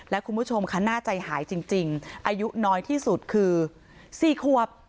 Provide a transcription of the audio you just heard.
และคุณผู้ชมค่ะน่าใจหายจริงอายุน้อยที่สุดคือ๔ขวบ